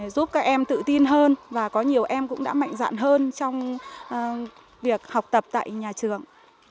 giúp các em tự tin hơn và có nhiều em cũng đã mạnh dạn hơn trong việc học tập tại nhà trường